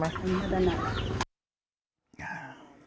ไม่ได้นัด